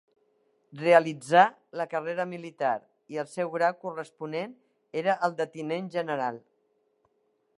Realitzà la carrera militar, i el seu grau corresponent era el de tinent general.